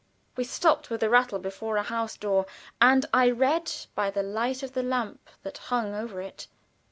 We stopped with a rattle before a house door, and I read, by the light of the lamp that hung over it, "39."